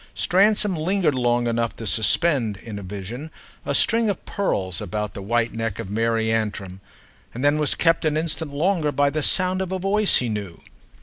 Stransom lingered long enough to suspend, in a vision, a string of pearls about the white neck of Mary Antrim, and then was kept an instant longer by the sound of a voice he knew.